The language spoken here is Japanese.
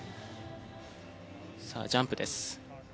さあジャンプです。